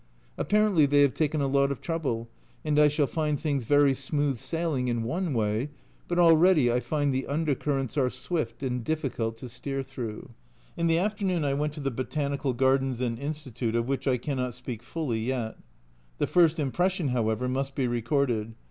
Apparently they have taken a lot of trouble, and I shall find things very smooth sailing in one way, but already I find the under currents are swift and difficult to steer through. A journal from Japan 3 In the afternoon I went to the Botanical Gardens and Institute, of which I cannot speak fully yet. The first impression, however, must be recorded.